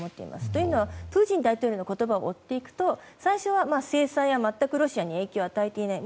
というのは、プーチン大統領の言葉を追っていくと最初は制裁は全くロシアに影響を与えていない。